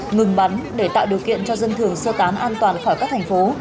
ngừng bắn để tạo điều kiện cho dân thường sơ tán an toàn khỏi các thành phố